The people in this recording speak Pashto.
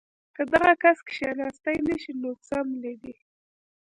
کۀ دغه کس کښېناستے نشي نو څملي دې